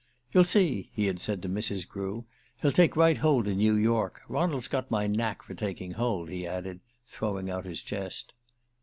"You'll see," he had said to Mrs. Grew, "he'll take right hold in New York. Ronald's got my knack for taking hold," he added, throwing out his chest.